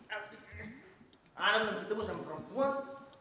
anak yang ketemu sama perempuan